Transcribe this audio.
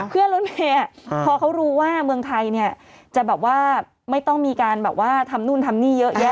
รถเมย์พอเขารู้ว่าเมืองไทยเนี่ยจะแบบว่าไม่ต้องมีการแบบว่าทำนู่นทำนี่เยอะแยะ